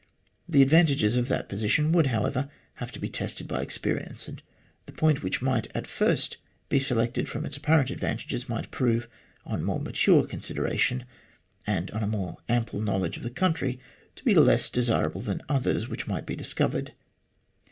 The advantages of that position would, however, have to be tested by experience, and the point which might at first be selected from its ap parent advantages might prove, on more mature consideration, and on a more ample knowledge of the country, to be less desirable than others which might be discovered.